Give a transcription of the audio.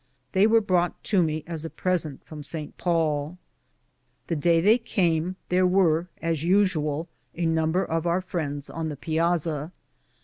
They were brought to me as a present from St. Paul. The day they came there were, as usu al, a number of our friends on the piazza.